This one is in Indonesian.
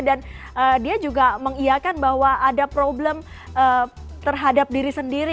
dan dia juga mengiakan bahwa ada problem terhadap diri sendiri